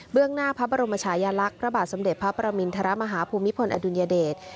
หน้าพระบรมชายลักษณ์พระบาทสมเด็จพระประมินทรมาฮาภูมิพลอดุลยเดช